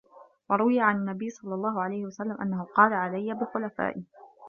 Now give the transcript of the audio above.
وَرُوِيَ عَنْ النَّبِيِّ صَلَّى اللَّهُ عَلَيْهِ وَسَلَّمَ أَنَّهُ قَالَ عَلَيَّ بِخُلَفَائِي